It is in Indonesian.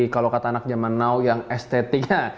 kalau kata anak zaman now yang estetinya